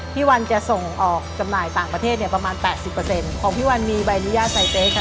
พี่วันจะส่งออกจำหน่ายต่างประเทศเนี้ยประมาณแปดสิบเปอร์เซ็นต์ของพี่วันมีใบนิยาใสเต๊ะค่ะ